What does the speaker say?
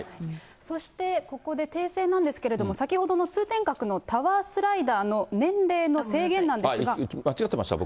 そして、ここで訂正なんですけれども、先ほどの通天閣のタワースライダーの年齢の制限なんですが。